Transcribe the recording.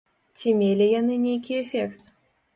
Ці мелі яны нейкі эфект?